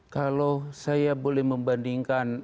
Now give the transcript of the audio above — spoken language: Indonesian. kalau saya boleh membandingkan